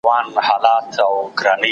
خلک به یو بل ته لاس ورکړي.